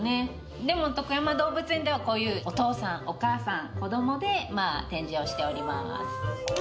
でも徳山動物園ではこういうお父さんお母さん子どもで展示をしております